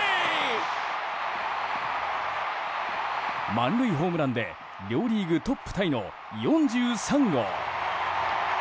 満塁ホームランで両リーグトップタイの４３号。